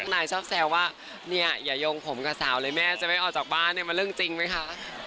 นายชอบแซวว่าเนี่ยอย่ายงผมกับสาวเลยแม่จะไม่ออกจากบ้านเนี่ยมันเรื่องจริงไหมคะ